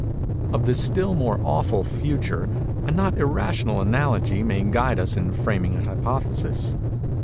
Of the still more awful Future a not irrational analogy may guide us in framing an hypothesis.